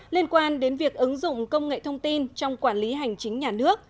liên quan đến việc ứng dụng công nghệ thông tin trong quản lý hành chính nhà nước